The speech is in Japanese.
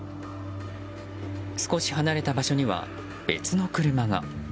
少し離れた場所には、別の車が。